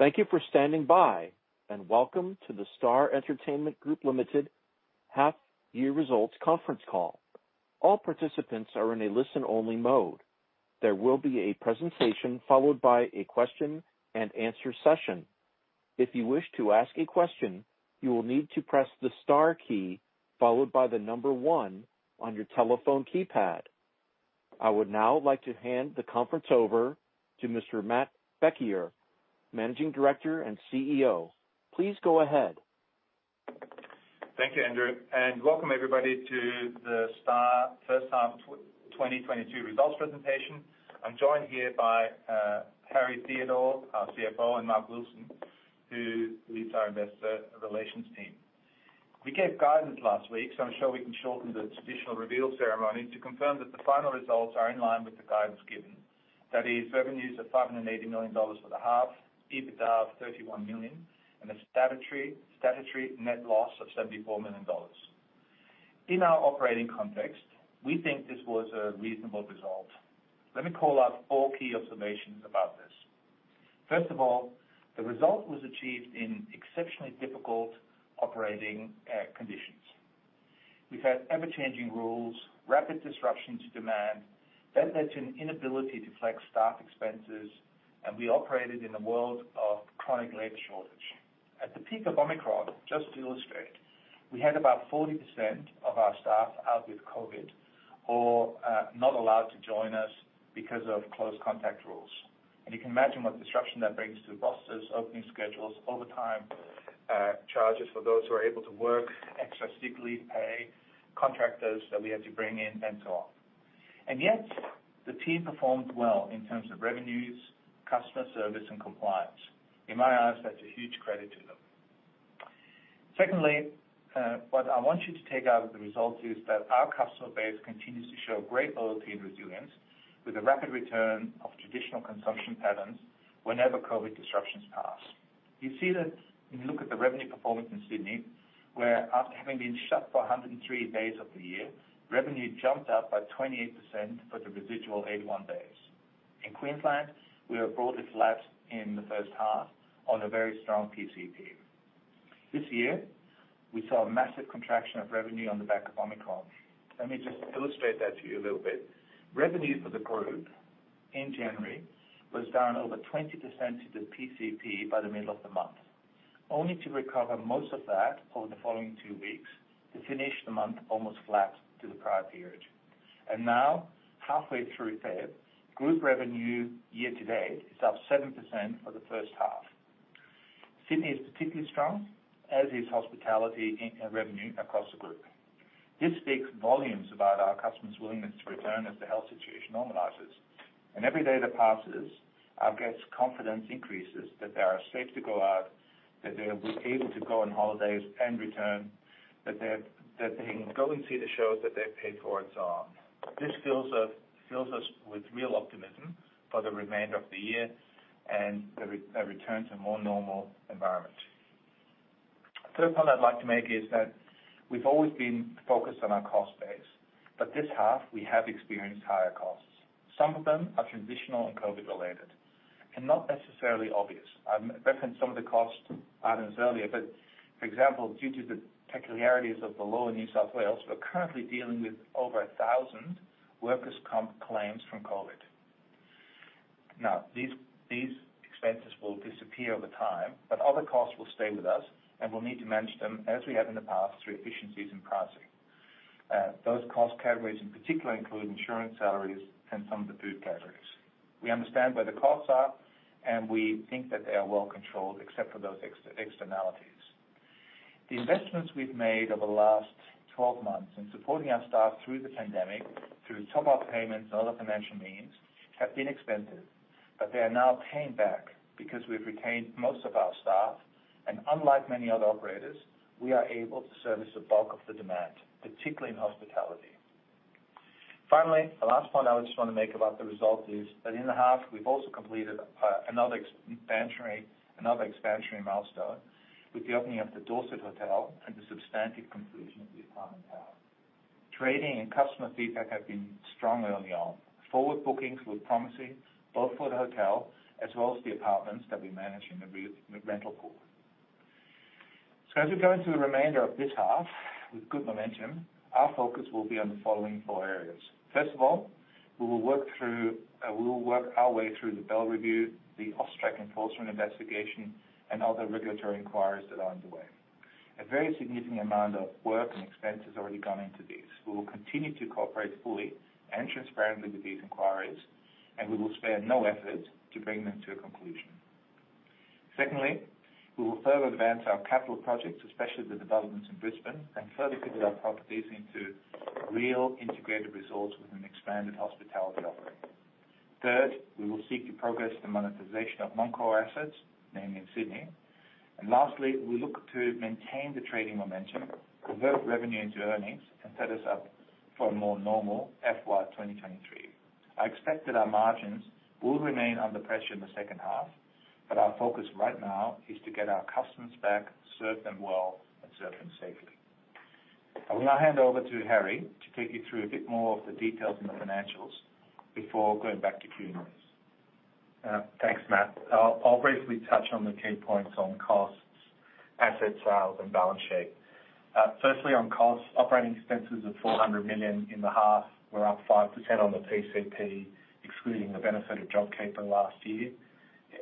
Thank you for standing by, and welcome to The Star Entertainment Group Limited half-year results conference call. All participants are in a listen-only mode. There will be a presentation followed by a question-and-answer session. If you wish to ask a question, you will need to press the star key followed by the number one on your telephone keypad. I would now like to hand the conference over to Mr. Matt Bekier, Managing Director and CEO. Please go ahead. Thank you, Andrew, and welcome everybody to The Star First Half 2022 Results Presentation. I'm joined here by Harry Theodore, our CFO, and Mark Wilson, who leads our investor relations team. We gave guidance last week, so I'm sure we can shorten the traditional reveal ceremony to confirm that the final results are in line with the guidance given. That is revenues of 580 million dollars for the half, EBITDA of 31 million, and a statutory net loss of 74 million dollars. In our operating context, we think this was a reasonable result. Let me call out four key observations about this. First of all, the result was achieved in exceptionally difficult operating conditions. We've had ever-changing rules, rapid disruptions to demand that led to an inability to flex staff expenses, and we operated in a world of chronic labor shortage. At the peak of Omicron, just to illustrate, we had about 40% of our staff out with COVID or not allowed to join us because of close contact rules. You can imagine what disruption that brings to the businesses, opening schedules, overtime, charges for those who are able to work, extra sick leave pay, contractors that we had to bring in, and so on. Yet, the team performed well in terms of revenues, customer service, and compliance. In my eyes, that's a huge credit to them. Secondly, what I want you to take out of the results is that our customer base continues to show great loyalty and resilience with a rapid return of traditional consumption patterns whenever COVID disruptions pass. You see that when you look at the revenue performance in Sydney, where after having been shut for 103 days of the year, revenue jumped up by 28% for the residual 81 days. In Queensland, we were broadly flat in the first half on a very strong PCP. This year, we saw a massive contraction of revenue on the back of Omicron. Let me just illustrate that to you a little bit. Revenue for the group in January was down over 20% to the PCP by the middle of the month, only to recover most of that over the following two weeks to finish the month almost flat to the prior period. Now, halfway through February, group revenue year-to-date is up 7% for the first half. Sydney is particularly strong, as is hospitality in revenue across the group. This speaks volumes about our customers' willingness to return as the health situation normalizes. Every day that passes, our guests' confidence increases that they are safe to go out, that they're able to go on holidays and return, that they can go and see the shows that they've paid for and so on. This fills us with real optimism for the remainder of the year and a return to a more normal environment. Third point I'd like to make is that we've always been focused on our cost base. This half, we have experienced higher costs. Some of them are transitional and COVID-related and not necessarily obvious. I referenced some of the cost items earlier, but for example, due to the peculiarities of the law in New South Wales, we're currently dealing with over 1,000 workers' comp claims from COVID. Now, these expenses will disappear over time, but other costs will stay with us, and we'll need to manage them as we have in the past, through efficiencies in pricing. Those cost categories in particular include insurance salaries and some of the food categories. We understand where the costs are, and we think that they are well controlled, except for those externalities. The investments we've made over the last 12 months in supporting our staff through the pandemic through top-up payments and other financial means have been expensive, but they are now paying back because we've retained most of our staff. Unlike many other operators, we are able to service the bulk of the demand, particularly in hospitality. Finally, the last point I just wanna make about the result is that in the half, we've also completed another expansionary milestone with the opening of the Dorsett Hotel and the substantive conclusion of the apartment tower. Trading and customer feedback have been strong. Forward bookings look promising both for the hotel as well as the apartments that we manage in the rental pool. As we go into the remainder of this half with good momentum, our focus will be on the following four areas. First of all, we will work our way through the Bell Review, the AUSTRAC enforcement investigation, and other regulatory inquiries that are underway. A very significant amount of work and expense has already gone into this. We will continue to cooperate fully and transparently with these inquiries, and we will spare no effort to bring them to a conclusion. Secondly, we will further advance our capital projects, especially the developments in Brisbane, and further fit our properties into real integrated resorts with an expanded hospitality offering. Third, we will seek to progress the monetization of non-core assets, namely in Sydney. Lastly, we look to maintain the trading momentum, convert revenue into earnings, and set us up for a more normal FY 2023. I expect that our margins will remain under pressure in the second half, but our focus right now is to get our customers back, serve them well, and serve them safely. I will now hand over to Harry to take you through a bit more of the details in the financials before going back to Q&A. Thanks, Matt. I'll briefly touch on the key points on costs, asset sales, and balance sheet. Firstly, on costs, operating expenses of 400 million in the half were up 5% on the PCP, excluding the benefit of JobKeeper last year.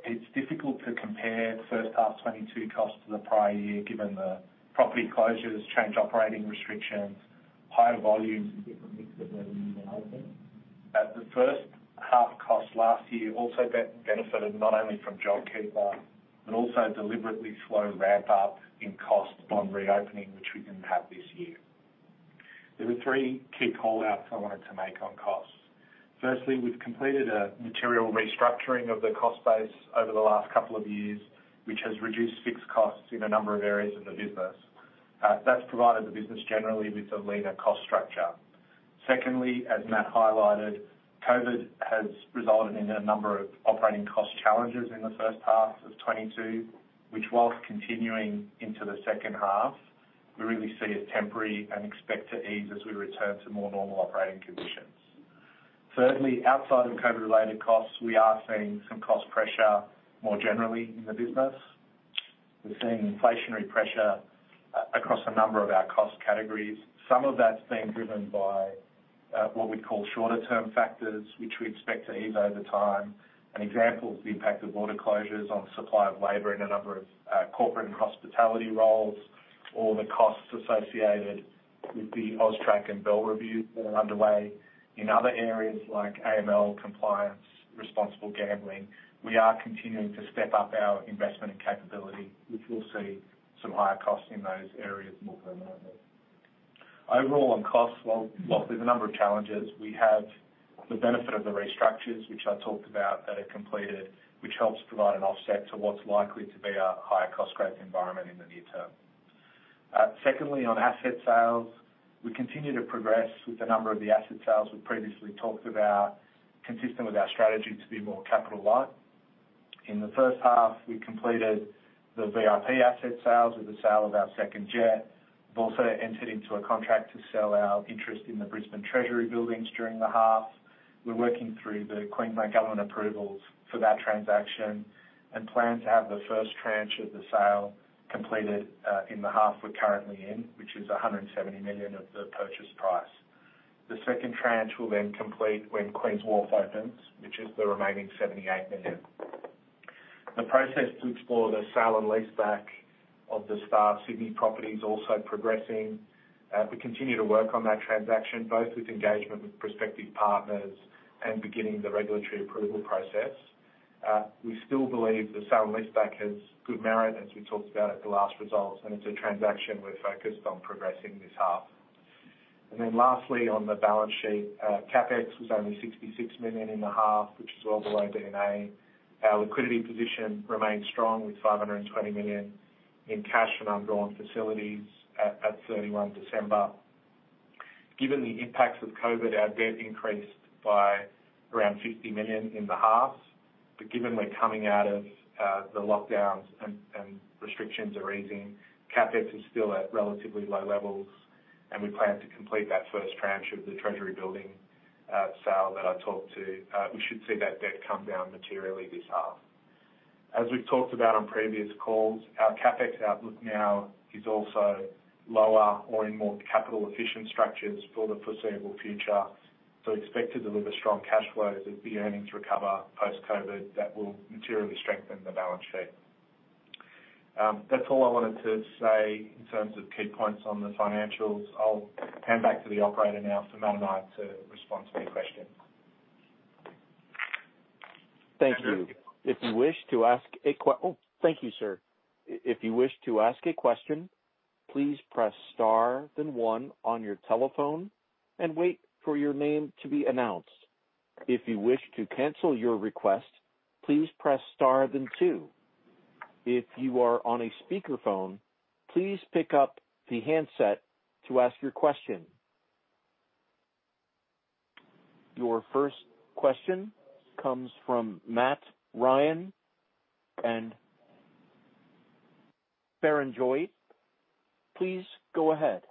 It's difficult to compare first half 2022 costs to the prior year, given the property closures, changed operating restrictions, higher volumes, and different mix of venues and openings. The first half costs last year also benefited not only from JobKeeper, but also a deliberately slow ramp-up in costs on reopening, which we didn't have this year. There were three key call-outs I wanted to make on costs. Firstly, we've completed a material restructuring of the cost base over the last couple of years, which has reduced fixed costs in a number of areas of the business. That's provided the business generally with a leaner cost structure. Secondly, as Matt highlighted, COVID has resulted in a number of operating cost challenges in the first half of 2022, which, while continuing into the second half, we really see as temporary and expect to ease as we return to more normal operating conditions. Thirdly, outside of COVID-related costs, we are seeing some cost pressure more generally in the business. We're seeing inflationary pressure across a number of our cost categories. Some of that's being driven by what we'd call shorter term factors, which we expect to ease over time. An example is the impact of border closures on supply of labor in a number of corporate and hospitality roles or the costs associated with the AUSTRAC and Bell Review that are underway. In other areas like AML compliance, responsible gambling, we are continuing to step up our investment and capability, which will see some higher costs in those areas more permanently. Overall, on costs, while, whilst there's a number of challenges, we have the benefit of the restructures which I talked about that are completed, which helps provide an offset to what's likely to be a higher cost growth environment in the near term. Secondly, on asset sales, we continue to progress with a number of the asset sales we previously talked about, consistent with our strategy to be more capital light. In the first half, we completed the VIP asset sales with the sale of our second jet. We've also entered into a contract to sell our interest in the Brisbane Treasury Buildings during the half. We're working through the Queensland Government approvals for that transaction and plan to have the first tranche of the sale completed in the half we're currently in, which is 170 million of the purchase price. The second tranche will then complete when Queen's Wharf opens, which is the remaining 78 million. The process to explore the sale and leaseback of The Star Sydney property is also progressing. We continue to work on that transaction, both with engagement with prospective partners and beginning the regulatory approval process. We still believe the sale and leaseback has good merit, as we talked about at the last results, and it's a transaction we're focused on progressing this half. Then lastly, on the balance sheet, CapEx was only 66 million in the half, which is well below D&A. Our liquidity position remains strong with 520 million in cash and undrawn facilities at 31 December. Given the impacts of COVID, our debt increased by around 50 million in the half. Given we're coming out of the lockdowns and restrictions are easing, CapEx is still at relatively low levels, and we plan to complete that first tranche of the Treasury Building sale that I talked to. We should see that debt come down materially this half. As we've talked about on previous calls, our CapEx outlook now is also lower or in more capital efficient structures for the foreseeable future. Expect to deliver strong cash flows as the earnings recover post-COVID that will materially strengthen the balance sheet. That's all I wanted to say in terms of key points on the financials. I'll hand back to the operator now for Matt and I to respond to any questions. Your first question comes from Matt Ryan and Barrenjoey. Please go ahead.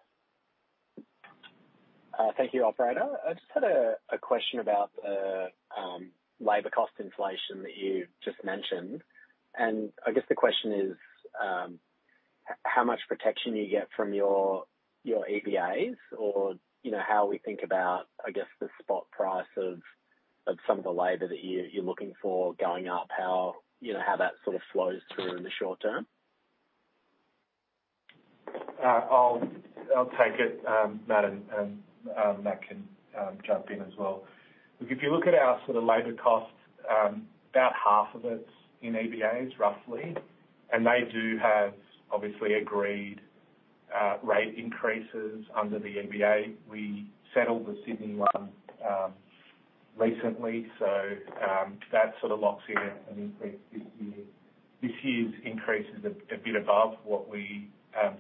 Thank you, operator. I just had a question about the labor cost inflation that you just mentioned, and I guess the question is, how much protection do you get from your EBAs? Or, you know, how we think about, I guess, the spot price of some of the labor that you're looking for going up, you know, how that sort of flows through in the short term? I'll take it, Matt, and Matt can jump in as well. Look, if you look at our sort of labor cost, about half of it's in EBAs, roughly, and they do have, obviously, agreed rate increases under the EBA. We settled the Sydney one recently, so that sort of locks in an increase this year. This year's increase is a bit above what we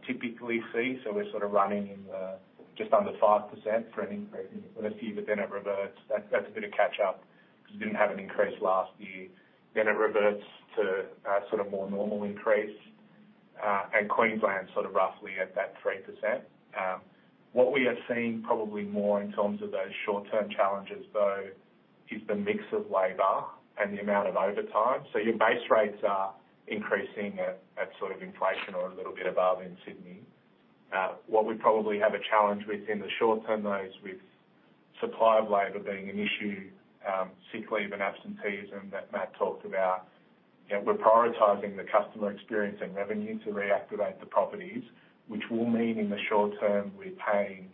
typically see, so we're sort of running in the just under 5% for an increase in this one. But then it reverts. That's a bit of catch-up because we didn't have an increase last year, then it reverts to a sort of more normal increase, and Queensland sort of roughly at that 3%. What we are seeing probably more in terms of those short-term challenges, though, is the mix of labor and the amount of overtime. Your base rates are increasing at sort of inflation or a little bit above in Sydney. What we probably have a challenge with in the short term, though, is with supply of labor being an issue, sick leave and absenteeism that Matt talked about. You know, we're prioritizing the customer experience and revenue to reactivate the properties, which will mean in the short term we're paying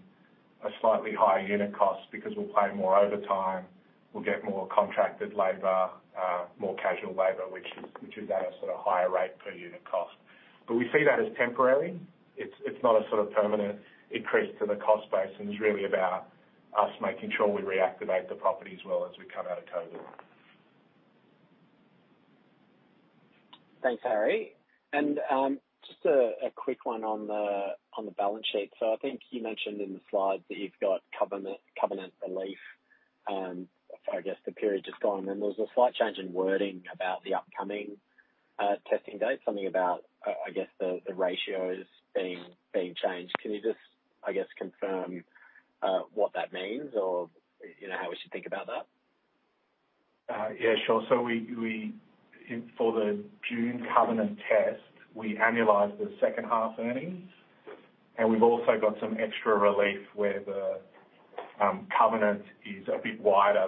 a slightly higher unit cost because we'll pay more overtime, we'll get more contracted labor, more casual labor, which is at a sort of higher rate per unit cost. We see that as temporary. It's not a sort of permanent increase to the cost base and is really about us making sure we reactivate the property as well as we come out of COVID. Thanks, Harry. Just a quick one on the balance sheet. I think you mentioned in the slides that you've got covenant relief for, I guess, the period just gone, and there was a slight change in wording about the upcoming testing date, something about, I guess, the ratios being changed. Can you just, I guess, confirm what that means or, you know, how we should think about that? Yeah, sure. For the June covenant test, we annualize the second half earnings, and we've also got some extra relief where the covenant is a bit wider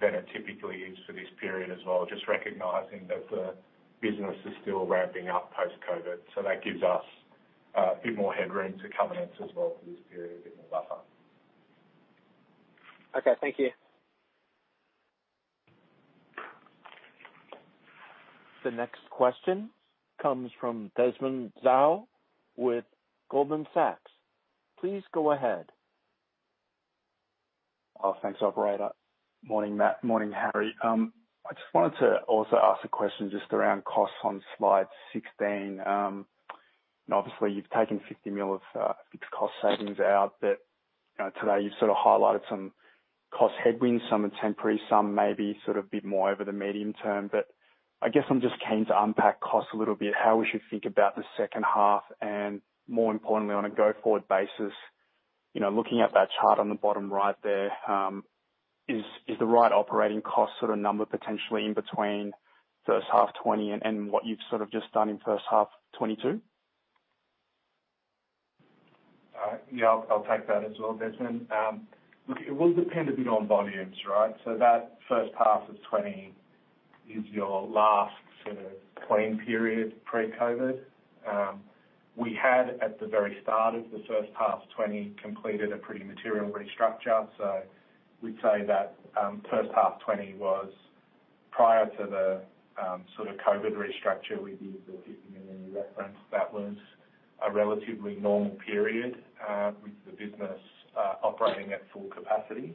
than it typically is for this period as well, just recognizing that the business is still ramping up post-COVID. That gives us a bit more headroom to covenants as well for this period, a bit more buffer. Okay. Thank you. The next question comes from Desmond Tsao with Goldman Sachs. Please go ahead. Oh, thanks, operator. Morning, Matt. Morning, Harry. I just wanted to also ask a question just around costs on slide 16. Obviously you've taken 50 million of fixed cost savings out, but you know, today you've sort of highlighted some cost headwinds, some are temporary, some may be sort of a bit more over the medium term. I guess I'm just keen to unpack costs a little bit, how we should think about the second half and more importantly, on a go-forward basis. You know, looking at that chart on the bottom right there, is the right operating cost sort of number potentially in between first half 2020 and what you've sort of just done in first half 2022? Yeah, I'll take that as well, Desmond. Look, it will depend a bit on volumes, right? That first half of 2020 is your last sort of clean period pre-COVID. We had, at the very start of the first half 2020, completed a pretty material restructure. We'd say that first half 2020 was prior to the sort of COVID restructure we did that Vicky mainly referenced. That was a relatively normal period with the business operating at full capacity.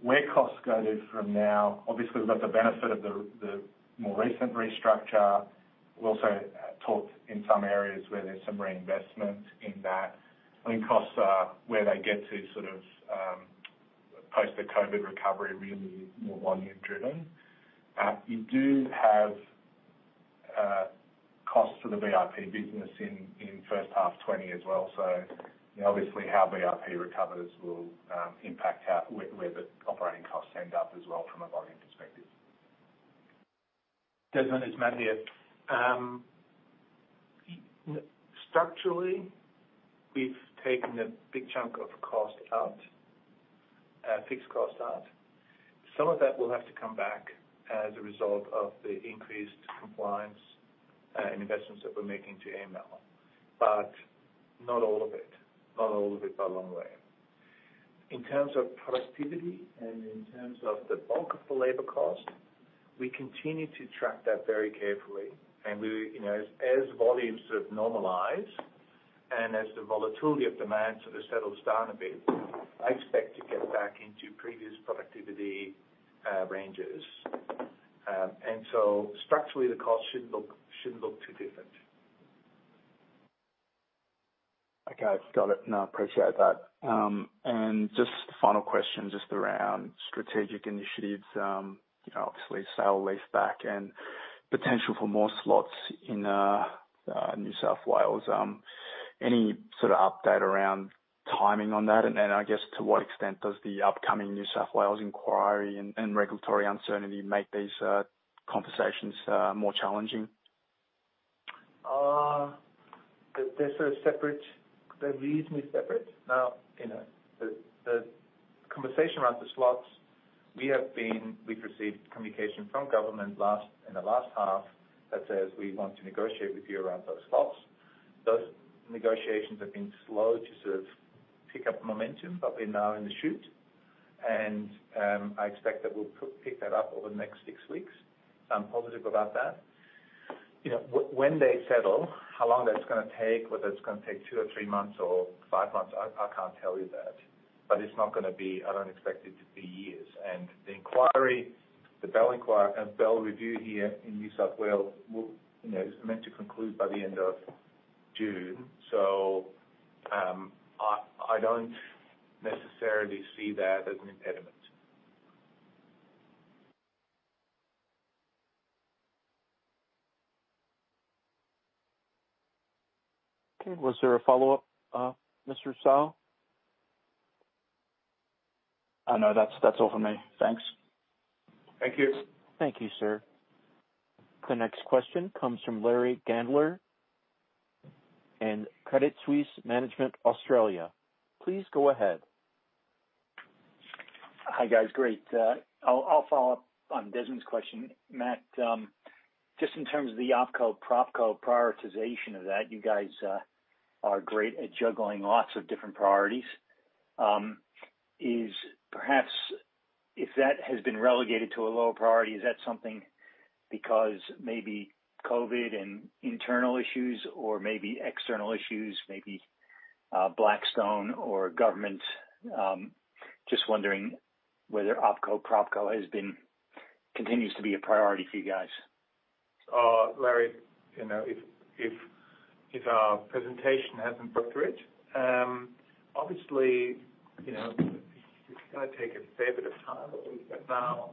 Where costs go to from now, obviously we've got the benefit of the more recent restructure. We also talked in some areas where there's some reinvestment in that. I mean, costs are where they get to sort of post the COVID recovery, really more volume driven. You do have costs for the VIP business in first half 2020 as well. Obviously how VIP recovers will impact where the operating costs end up as well from a volume perspective. Desmond, it's Matt here. Structurally, we've taken a big chunk of cost out, fixed cost out. Some of that will have to come back as a result of the increased compliance, and investments that we're making to AML. But not all of it by a long way. In terms of productivity and in terms of the bulk of the labor cost, we continue to track that very carefully and we, you know, as volumes sort of normalize and as the volatility of demand sort of settles down a bit, I expect to get back into previous productivity ranges. Structurally, the cost shouldn't look too different. Okay. Got it. No, appreciate that. Just final question just around strategic initiatives. You know, obviously sale leaseback and potential for more slots in New South Wales. Any sort of update around timing on that? Then I guess to what extent does the upcoming New South Wales inquiry and regulatory uncertainty make these conversations more challenging? They're sort of separate. They're reasonably separate. Now, you know, the conversation around the slots, we've received communication from government last, in the last half that says, "We want to negotiate with you around those slots." Those negotiations have been slow to sort of pick up momentum, but we're now in the chute and, I expect that we'll pick that up over the next six weeks. I'm positive about that. You know, when they settle, how long that's gonna take, whether it's gonna take 2 or 3 months or 5 months, I can't tell you that. But I don't expect it to be years. The inquiry, the Bell Review here in New South Wales will, you know, is meant to conclude by the end of June. I don't necessarily see that as an impediment. Okay. Was there a follow-up, Mr. Tsao? No, that's all from me. Thanks. Thank you. Thank you, sir. The next question comes from Larry Gandler in Credit Suisse Management Australia. Please go ahead. Hi, guys. Great. I'll follow up on Desmond's question. Matt, just in terms of the OpCo, PropCo prioritization of that, you guys are great at juggling lots of different priorities. Is perhaps if that has been relegated to a lower priority, is that something because maybe COVID and internal issues or maybe external issues, maybe Blackstone or government, just wondering whether OpCo, PropCo has been continues to be a priority for you guys? Larry, you know, if our presentation hasn't put through it, obviously, you know, it's gonna take a fair bit of time, but we've got now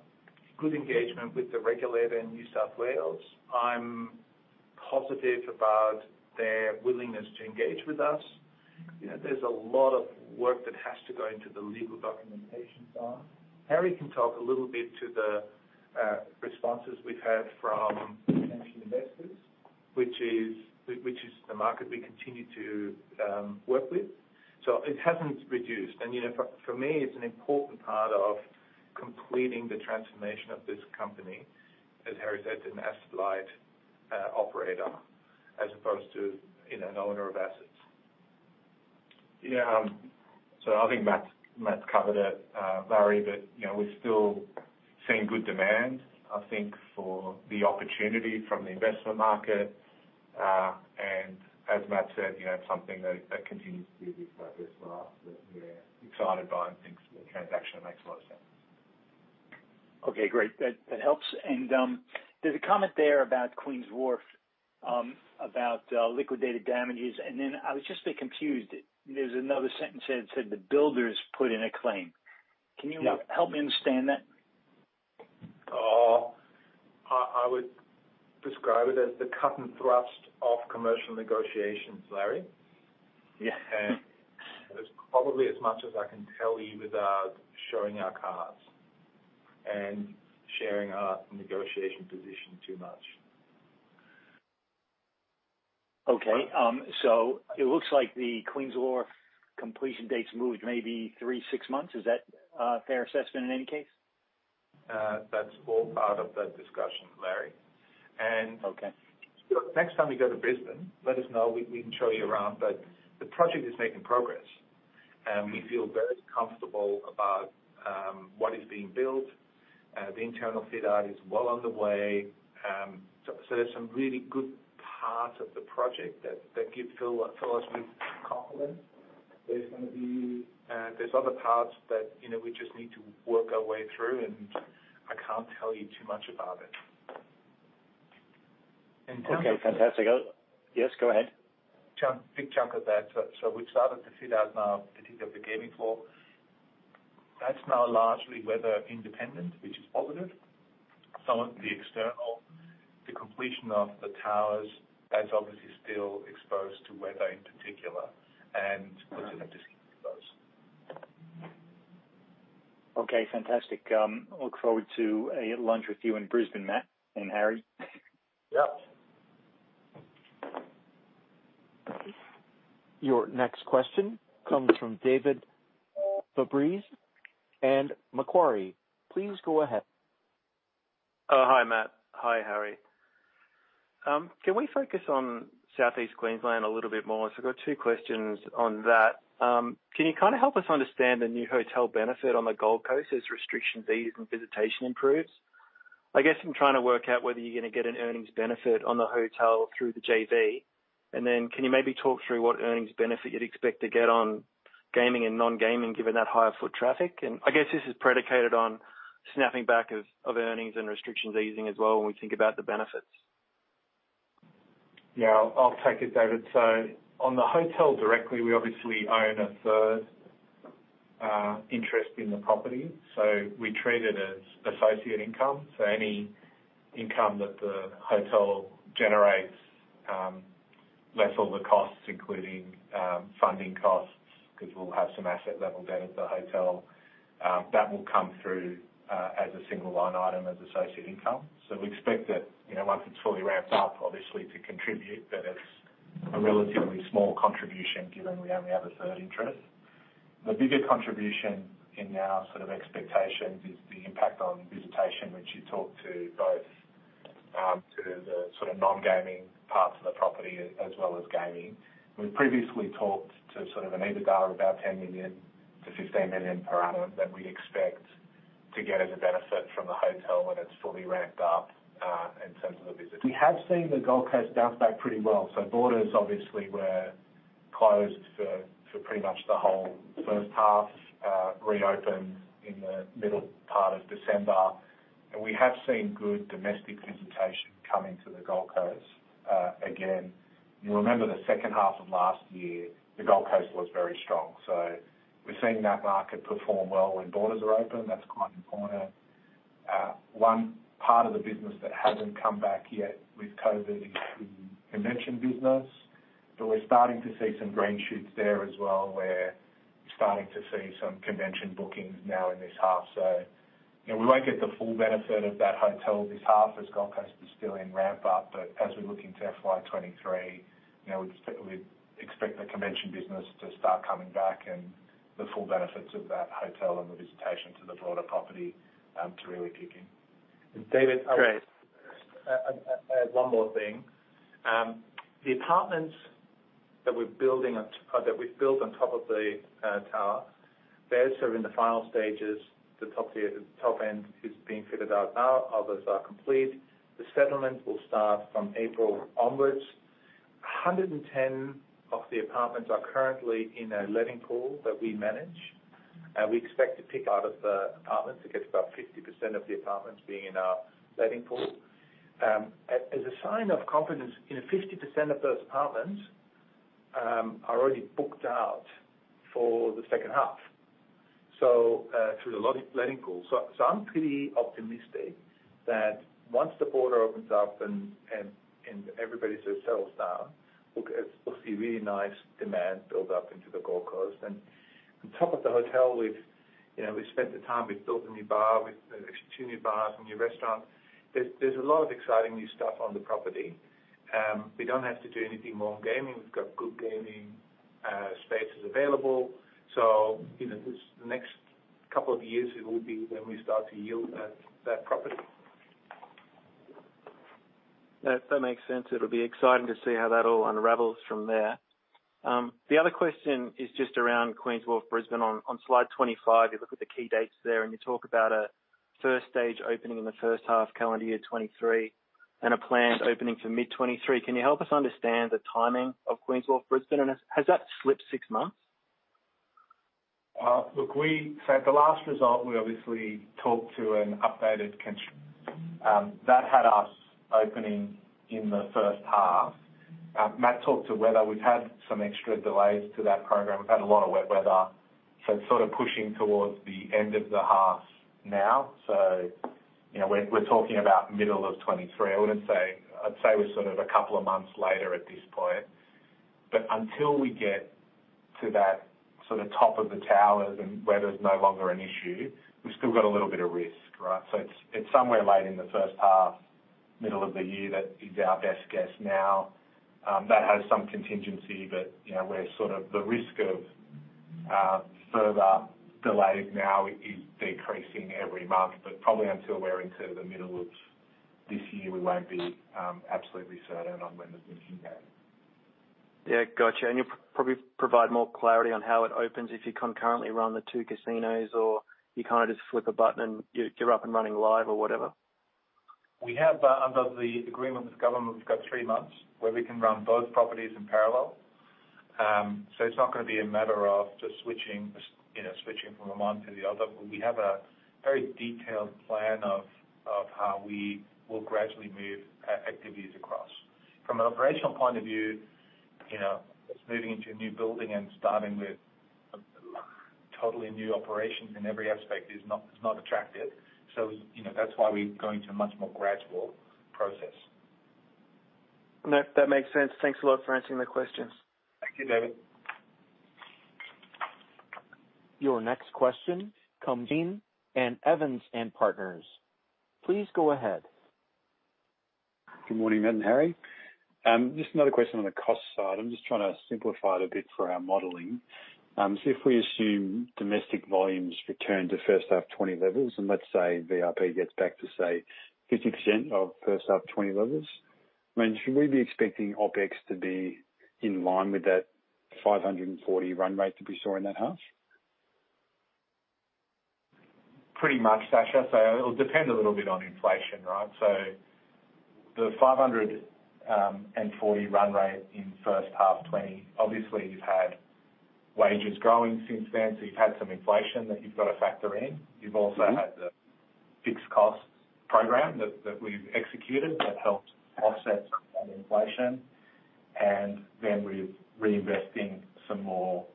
good engagement with the regulator in New South Wales. I'm positive about their willingness to engage with us. You know, there's a lot of work that has to go into the legal documentation side. Harry can talk a little bit to the responses we've had from potential investors, which is the market we continue to work with. It hasn't reduced. You know, for me, it's an important part of completing the transformation of this company, as Harry said, an asset-light operator, as opposed to, you know, an owner of assets. I think Matt's covered it, Larry, but you know, we're still seeing good demand, I think, for the opportunity from the investment market. As Matt said, you know, something that continues to be a good focus for us, that we're excited by and think the transaction makes a lot of sense. Okay, great. That helps. There's a comment there about Queen's Wharf about liquidated damages. I was just a bit confused. There's another sentence there that said the builders put in a claim. Yeah. Can you help me understand that? I would describe it as the cut and thrust of commercial negotiations, Larry. Yeah. That's probably as much as I can tell you without showing our cards and sharing our negotiation position too much. Okay. It looks like the Queen's Wharf completion date's moved maybe 3-6 months. Is that a fair assessment in any case? That's all part of that discussion, Larry. Okay. Next time you go to Brisbane, let us know. We can show you around. The project is making progress. We feel very comfortable about what is being built. The internal fit-out is well underway. There's some really good parts of the project that fill us with confidence. There's gonna be other parts that, you know, we just need to work our way through, and I can't tell you too much about it. In terms of Okay, fantastic. Oh, yes, go ahead. Big chunk of that. We've started to fit out now, particularly the gaming floor. That's now largely weather independent, which is positive. Some of the external, the completion of the towers, that's obviously still exposed to weather in particular and possibly just closure. Okay, fantastic. I look forward to a lunch with you in Brisbane, Matt and Harry. Yeah. Your next question comes from David Fabris and Macquarie. Please go ahead. Oh, hi, Matt. Hi, Harry. Can we focus on Southeast Queensland a little bit more? I've got two questions on that. Can you kinda help us understand the new hotel benefit on the Gold Coast as restrictions ease and visitation improves? I guess I'm trying to work out whether you're gonna get an earnings benefit on the hotel through the JV. Then can you maybe talk through what earnings benefit you'd expect to get on gaming and non-gaming, given that higher foot traffic? I guess this is predicated on snapping back of earnings and restrictions easing as well when we think about the benefits. Yeah, I'll take it, David. On the hotel directly, we obviously own a third interest in the property, so we treat it as associate income. Any income that the hotel generates less all the costs, including funding costs, 'cause we'll have some asset level debt at the hotel, that will come through as a single line item as associate income. We expect that, you know, once it's fully ramped up, obviously to contribute, but it's a relatively small contribution given we only have a third interest. The bigger contribution in our sort of expectations is the impact on visitation, which talks to both the sort of non-gaming parts of the property as well as gaming. We've previously talked to sort of an EBITDA of about 10 million-15 million per annum that we expect to get as a benefit from the hotel when it's fully ramped up, in terms of the visitors. We have seen the Gold Coast bounce back pretty well. Borders obviously were closed for pretty much the whole first half, reopened in the middle part of December. We have seen good domestic visitation coming to the Gold Coast. Again, you remember the second half of last year, the Gold Coast was very strong. We're seeing that market perform well when borders are open. That's quite important. One part of the business that hasn't come back yet with COVID is the convention business, but we're starting to see some green shoots there as well, where we're starting to see some convention bookings now in this half. You know, we won't get the full benefit of that hotel this half as Gold Coast is still in ramp up. As we look into FY 2023, you know, we expect the convention business to start coming back, and the full benefits of that hotel and the visitation to the broader property to really kick in. David- Great. I add one more thing. The apartments that we're building or that we've built on top of the tower, they're sort of in the final stages. The top tier, the top end is being fitted out now. Others are complete. The settlement will start from April onwards. 110 of the apartments are currently in a letting pool that we manage, and we expect to pick out of the apartments, I guess about 50% of the apartments being in our letting pool. As a sign of confidence, you know, 50% of those apartments are already booked out for the second half, so through the letting pool. I'm pretty optimistic that once the border opens up and everybody sort of settles down, we'll see really nice demand build up into the Gold Coast. On top of the hotel, we've, you know, we've spent the time. We've built a new bar. We've actually two new bars, a new restaurant. There's a lot of exciting new stuff on the property. We don't have to do anything more on gaming. We've got good gaming spaces available. You know, this, the next couple of years, it will be when we start to yield that property. That makes sense. It'll be exciting to see how that all unravels from there. The other question is just around Queen's Wharf Brisbane. On slide 25, you look at the key dates there, and you talk about a first stage opening in the first half calendar year 2023 and a planned opening for mid 2023. Can you help us understand the timing of Queen's Wharf Brisbane? Has that slipped 6 months? We said the last result, we obviously talked to an updated. That had us opening in the first half. Matt talked to weather. We've had some extra delays to that program. We've had a lot of wet weather, so it's sort of pushing towards the end of the half now. You know, we're talking about middle of 2023. I wouldn't say. I'd say we're sort of a couple of months later at this point. Until we get to that sort of top of the towers and weather's no longer an issue, we've still got a little bit of risk, right? It's somewhere late in the first half, middle of the year. That is our best guess now. That has some contingency, but you know, the risk of further delaying now is decreasing every month. Probably until we're into the middle of this year, we won't be absolutely certain on when the opening is. Yeah. Gotcha. You'll probably provide more clarity on how it opens if you concurrently run the two casinos or you kind of just flip a button and you're up and running live or whatever. We have under the agreement with government, we've got 3 months where we can run both properties in parallel. It's not gonna be a matter of just switching, you know, switching from one to the other. We have a very detailed plan of how we will gradually move activities across. From an operational point of view, you know, it's moving into a new building and starting with a totally new operation in every aspect is not attractive. You know, that's why we're going to a much more gradual process. No, that makes sense. Thanks a lot for answering the questions. Thank you, David. Your next question comes in from Evans & Partners. Please go ahead. Good morning, Matt and Harry. Just another question on the cost side. I'm just trying to simplify it a bit for our modeling. If we assume domestic volumes return to first half 2020 levels, and let's say VIP gets back to, say, 50% of first half 2020 levels, I mean, should we be expecting OpEx to be in line with that 540 run rate that we saw in that half? Pretty much, Sasha. It will depend a little bit on inflation, right? The 540 run rate in first half 2020, obviously you've had wages growing since then, so you've had some inflation that you've got to factor in. Mm-hmm. You've also had the fixed costs program that we've executed that helped offset some of the inflation. Then we're reinvesting some more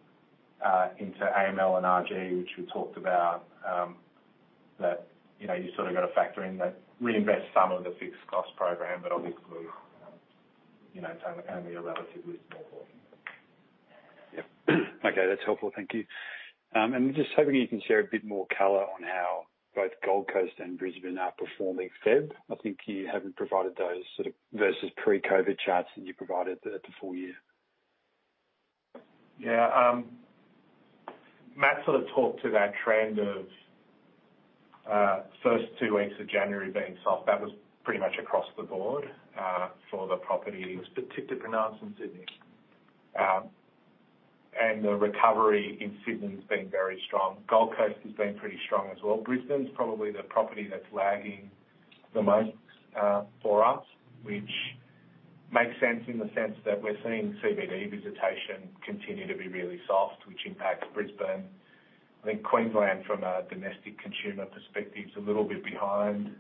into AML and RG, which we talked about, that you know you sort of got to factor in that reinvest some of the fixed cost program, but obviously you know it's only a relatively small portion. Yep. Okay, that's helpful. Thank you. I'm just hoping you can share a bit more color on how both Gold Coast and Brisbane are performing in February. I think you haven't provided those sort of versus pre-COVID charts that you provided at the full year. Yeah. Matt sort of talked to that trend of first two weeks of January being soft. That was pretty much across the board for the property. It was particularly pronounced in Sydney. The recovery in Sydney's been very strong. Gold Coast has been pretty strong as well. Brisbane's probably the property that's lagging the most for us, which makes sense in the sense that we're seeing CBD visitation continue to be really soft, which impacts Brisbane. I think Queensland from a domestic consumer perspective is a little bit behind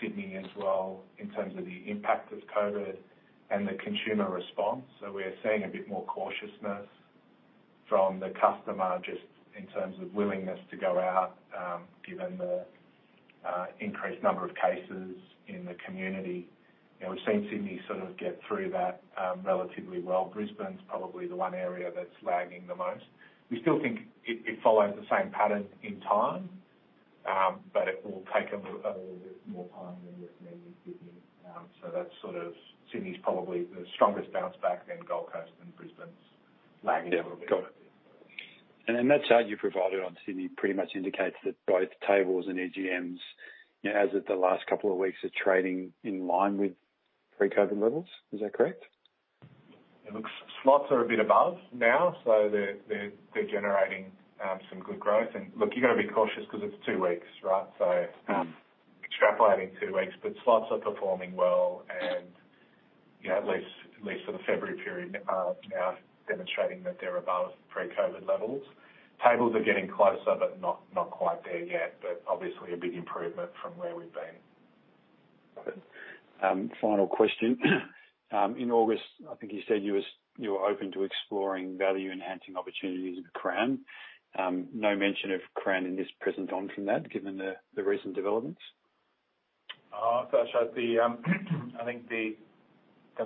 Sydney as well in terms of the impact of COVID and the consumer response. We are seeing a bit more cautiousness from the customer just in terms of willingness to go out given the increased number of cases in the community. You know, we've seen Sydney sort of get through that relatively well. Brisbane's probably the one area that's lagging the most. We still think it follows the same pattern in time, but it will take a little bit more time than we've seen in Sydney. That's sort of Sydney's probably the strongest bounce back then Gold Coast and Brisbane's lagging a little bit. Yeah. Got it. In that chart you provided on Sydney pretty much indicates that both tables and EGMs, you know, as of the last couple of weeks are trading in line with pre-COVID levels. Is that correct? It looks. Slots are a bit above now, so they're generating some good growth. Look, you gotta be cautious 'cause it's two weeks, right? Mm-hmm. Extrapolating 2 weeks, but slots are performing well and, you know, at least for the February period, are demonstrating that they're above pre-COVID levels. Tables are getting closer, but not quite there yet. But obviously a big improvement from where we've been. Got it. Final question. In August, I think you said you were open to exploring value-enhancing opportunities with Crown. No mention of Crown in this presentation from that, given the recent developments. I think the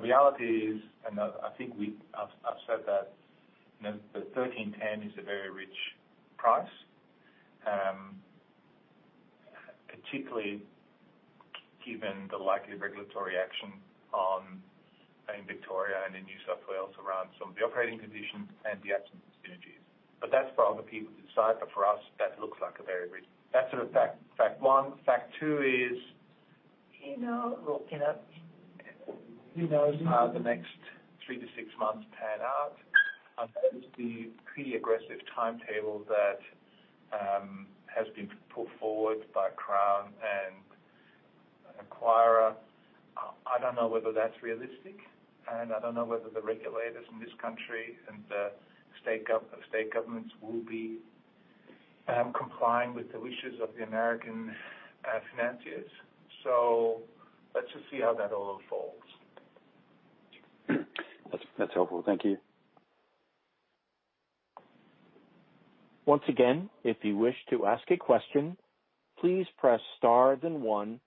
reality is, I think we've said that, you know, the 13.10 is a very rich price, particularly given the likely regulatory action in Victoria and in New South Wales around some of the operating conditions and the absence of synergies. That's for other people to decide, but for us that looks like a very rich. That's sort of fact one. Fact two is, you know, look, you know, how the next 3-6 months pan out, that is the pretty aggressive timetable that has been put forward by Crown and acquirer. I don't know whether that's realistic, and I don't know whether the regulators in this country and the state governments will be complying with the wishes of the American financiers. Let's just see how that all unfolds. That's helpful. Thank you. Once again, if you wish to ask a question, please press star then one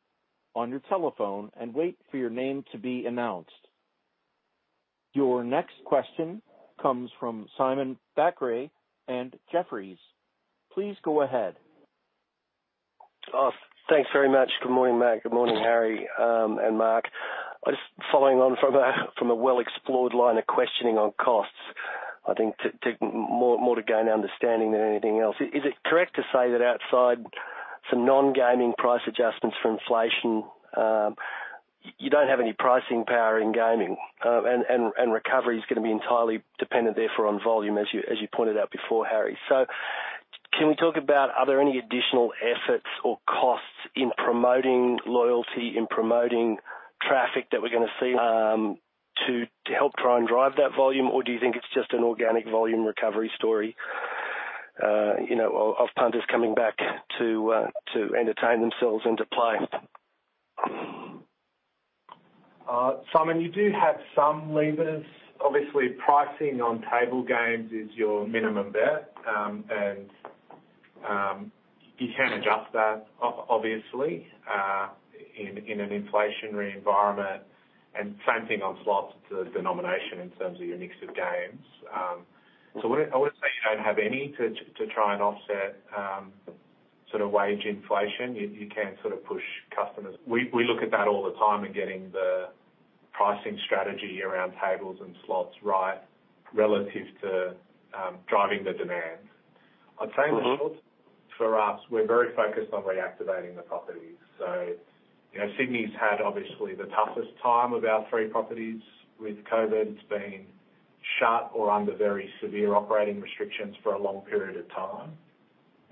on your telephone and wait for your name to be announced. Your next question comes from Simon Thackray in Jefferies. Please go ahead. Thanks very much. Good morning, Matt. Good morning, Harry, and Mark. Just following on from a well explored line of questioning on costs, I think more to gain understanding than anything else. Is it correct to say that outside some non-gaming price adjustments for inflation, you don't have any pricing power in gaming? And recovery is gonna be entirely dependent therefore on volume, as you pointed out before, Harry. Can we talk about are there any additional efforts or costs in promoting loyalty, in promoting traffic that we're gonna see, to help try and drive that volume? Or do you think it's just an organic volume recovery story, you know, of punters coming back to entertain themselves and to play? Simon, you do have some levers. Obviously, pricing on table games is your minimum bet. You can adjust that obviously in an inflationary environment, and same thing on slots, the denomination in terms of your mix of games. I wouldn't say you don't have any to try and offset sort of wage inflation. You can sort of push customers. We look at that all the time in getting the pricing strategy around tables and slots right relative to driving the demand. Mm-hmm. I'd say in the short term for us, we're very focused on reactivating the properties. You know, Sydney's had obviously the toughest time of our three properties with COVID. It's been shut or under very severe operating restrictions for a long period of time.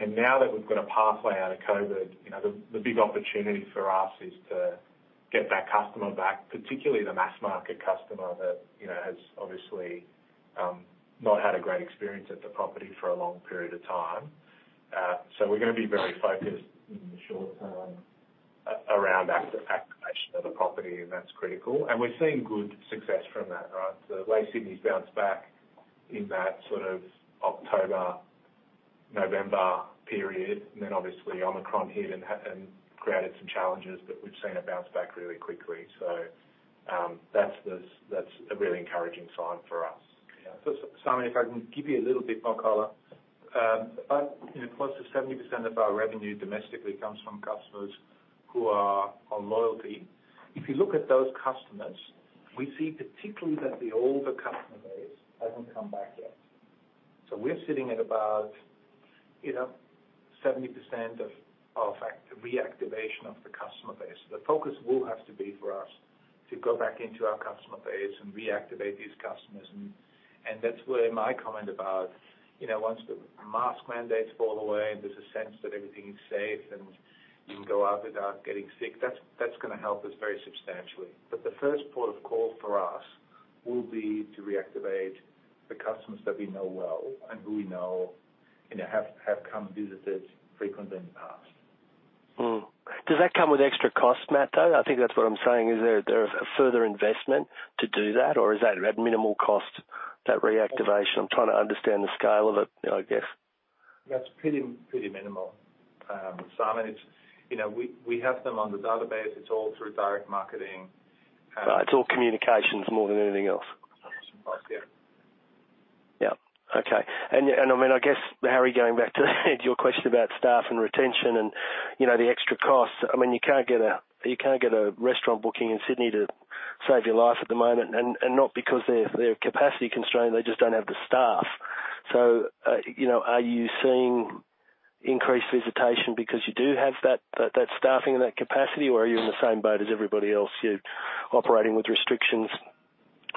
Now that we've got a pathway out of COVID, you know, the big opportunity for us is to get that customer back, particularly the mass market customer that, you know, has obviously not had a great experience at the property for a long period of time. We're gonna be very focused in the short term around activation of the property, and that's critical. We're seeing good success from that, right? The way Sydney's bounced back in that sort of October, November period, and then obviously Omicron hit and created some challenges, but we've seen it bounce back really quickly. That's a really encouraging sign for us. Yeah. Simon, if I can give you a little bit more color about, you know, plus the 70% of our revenue domestically comes from customers who are on loyalty. If you look at those customers, we see particularly that the older customer base hasn't come back yet. We're sitting at about, you know, 70% of reactivation of the customer base. The focus will have to be for us- To go back into our customer base and reactivate these customers. That's where my comment about, you know, once the mask mandates fall away, and there's a sense that everything is safe, and you can go out without getting sick, that's gonna help us very substantially. The first port of call for us will be to reactivate the customers that we know well and who we know, you know, have come visit us frequently in the past. Does that come with extra cost, Matt, though? I think that's what I'm saying. Is there a further investment to do that? Or is that at minimal cost, that reactivation? I'm trying to understand the scale of it, I guess. That's pretty minimal. Simon, it's you know, we have them on the database. It's all through direct marketing. It's all communications more than anything else. Yeah. Yeah. Okay. I mean, I guess, Harry, going back to your question about staff and retention and, you know, the extra costs. I mean, you can't get a restaurant booking in Sydney to save your life at the moment. Not because they're capacity constrained. They just don't have the staff. You know, are you seeing increased visitation because you do have that staffing and that capacity? Or are you in the same boat as everybody else, you're operating with restrictions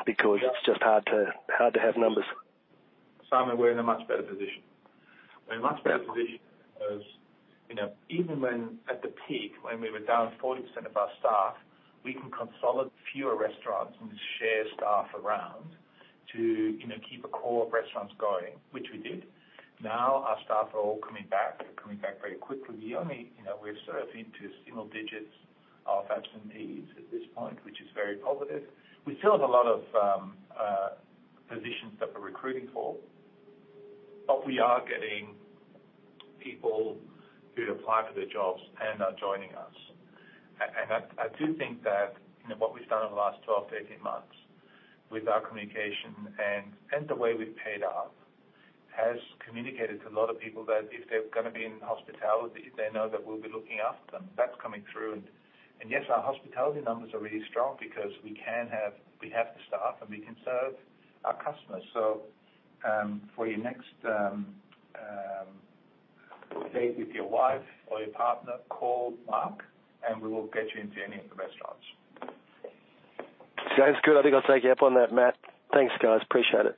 because- Yeah It's just hard to have numbers? Simon, we're in a much better position. We're in a much better position 'cause, you know, even when at the peak, when we were down 40% of our staff, we can consolidate fewer restaurants and share staff around to, you know, keep a core of restaurants going, which we did. Now, our staff are all coming back. They're coming back very quickly. You know, we're sort of into single digits of absentees at this point, which is very positive. We still have a lot of positions that we're recruiting for. We are getting people who apply for the jobs and are joining us. I do think that, you know, what we've done over the last 12-18 months with our communication and the way we've paid up has communicated to a lot of people that if they're gonna be in hospitality, they know that we'll be looking after them. That's coming through. Yes, our hospitality numbers are really strong because we have the staff, and we can serve our customers. For your next date with your wife or your partner, call Mark, and we will get you into any of the restaurants. Sounds good. I think I'll take you up on that, Matt. Thanks, guys. Appreciate it.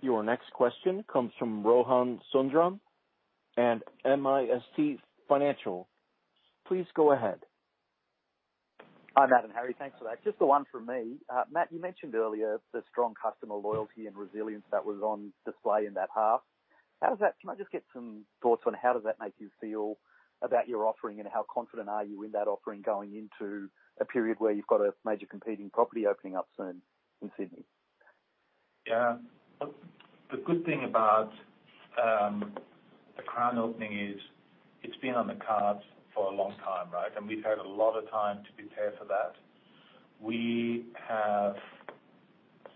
Your next question comes from Rohan Sundram and MST Financial. Please go ahead. Hi, Matt and Harry. Thanks for that. Just the one from me. Matt, you mentioned earlier the strong customer loyalty and resilience that was on display in that half. Can I just get some thoughts on how does that make you feel about your offering, and how confident are you in that offering going into a period where you've got a major competing property opening up soon in Sydney? Yeah. The good thing about the Crown opening is it's been on the cards for a long time, right? We've had a lot of time to prepare for that. We have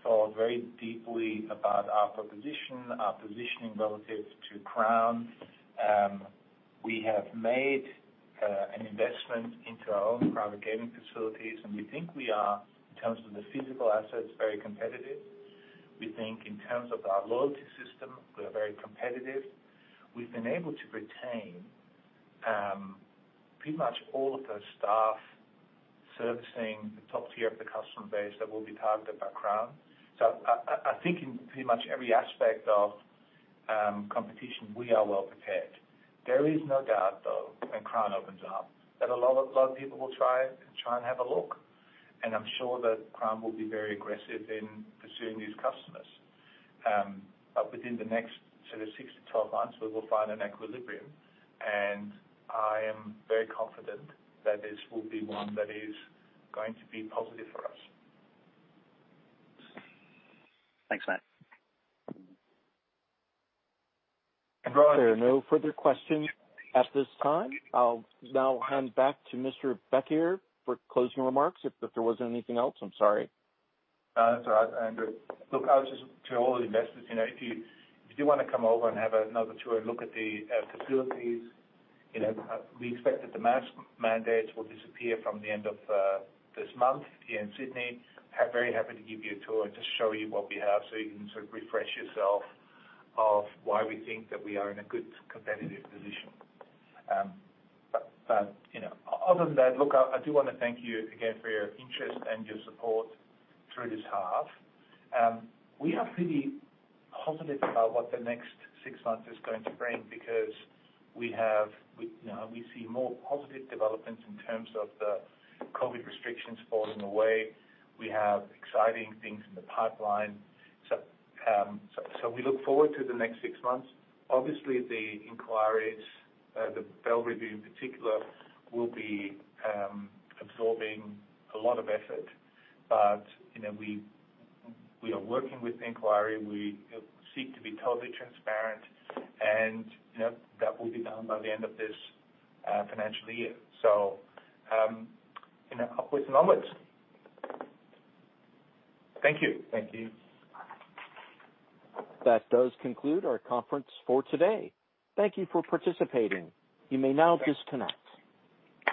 thought very deeply about our proposition, our positioning relative to Crown. We have made an investment into our own private gaming facilities, and we think we are, in terms of the physical assets, very competitive. We think in terms of our loyalty system, we are very competitive. We've been able to retain pretty much all of the staff servicing the top tier of the customer base that will be targeted by Crown. I think in pretty much every aspect of competition, we are well-prepared. There is no doubt, though, when Crown opens up that a lot of people will try and have a look, and I'm sure that Crown will be very aggressive in pursuing these customers. Within the next sort of 6-12 months, we will find an equilibrium, and I am very confident that this will be one that is going to be positive for us. Thanks, Matt. There are no further questions at this time. I'll now hand back to Mr. Bekier for closing remarks. If there wasn't anything else, I'm sorry. No, that's all right. Look, I'll just say to all the investors, you know, if you do wanna come over and have another tour, look at the facilities. You know, we expect that the mask mandates will disappear from the end of this month here in Sydney. Very happy to give you a tour and just show you what we have, so you can sort of refresh yourself of why we think that we are in a good competitive position. But you know, other than that, look, I do wanna thank you again for your interest and your support through this half. We are pretty positive about what the next six months is going to bring because we see more positive developments in terms of the COVID restrictions falling away. We have exciting things in the pipeline. We look forward to the next six months. Obviously, the inquiries, the Bell Review in particular, will be absorbing a lot of effort. You know, we are working with the inquiry. We, you know, seek to be totally transparent and, you know, that will be done by the end of this financial year. You know, upwards and onwards. Thank you. Thank you. That does conclude our conference for today. Thank you for participating. You may now disconnect.